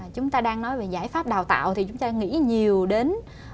chúng ta đang nói về giải pháp đào tạo thì chúng ta nghĩ nhiều đến